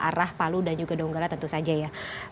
arah palu dan juga donggala tentu saja ya